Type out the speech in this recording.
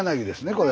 これ。